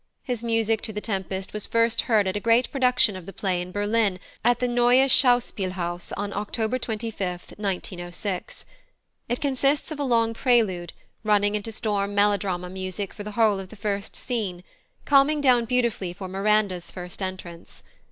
His music to The Tempest was first heard at a great production of the play in Berlin at the Neue Schauspielhaus on October 25, 1906. It consists of a long prelude, running into storm melodrama music for the whole of the first scene, calming down beautifully for Miranda's first entrance.